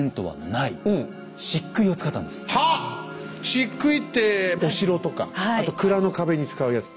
しっくいってお城とかあと蔵の壁に使うやつ。